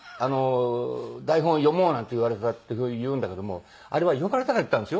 台本読もうなんて言われたって言うんだけどもあれは呼ばれたから行ったんですよ。